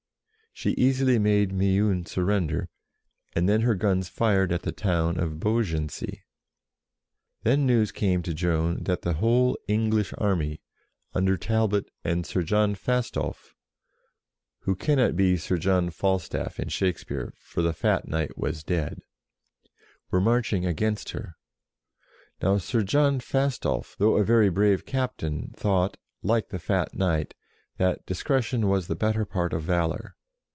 She easily made Meun surrender, and then her guns fired at the town of Beaugency. Then news came to Joan that the whole English army, under Talbot and Sir John Fastolf (who cannot be Sir John Falstaff in Shakespeare, for the fat knight was dead), were marching against her. Now Sir John Fastolf, though a very brave cap tain, thought, like the fat knight, that " discretion was the better part of valour."